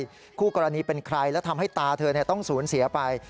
คู่กรณีเป็นใครและทำให้ตาเธอต้องสูญเสียไป